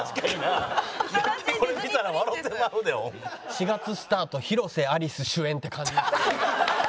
「４月スタート広瀬アリス主演」って感じが。